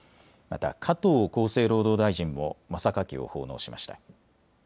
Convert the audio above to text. また加藤厚生労働大臣も真榊を奉納しました。